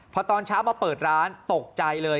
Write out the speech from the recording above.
พอตอนเช้ามาเปิดร้านตกใจเลย